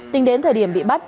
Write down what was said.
tính đến thời điểm bị bắt